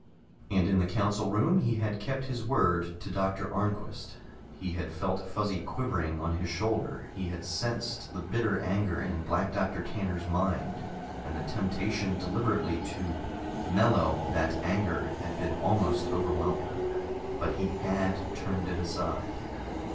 And in the council room he had kept his word to Doctor Arnquist. He had felt Fuzzy quivering on his shoulder; he had sensed the bitter anger in Black Doctor Tanner's mind, and the temptation deliberately to mellow that anger had been almost overwhelming, but he had turned it aside.